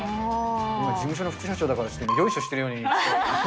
今、事務所の副社長だから、よいしょしているように。